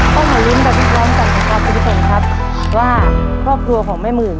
ต้องเหมือนกับทุกคนค่ะทุกคนครับว่าครอบครัวของแม่หมื่น